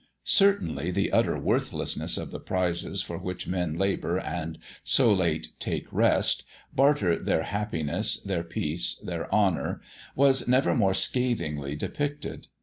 Certainly the utter worthlessness of the prizes for which men labour and so late take rest, barter their happiness, their peace, their honour, was never more scathingly depicted.